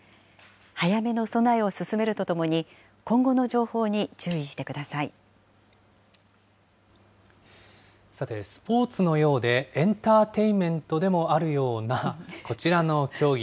早めの備えを進めるとともに、さて、スポーツのようで、エンターテインメントでもあるようなこちらの競技。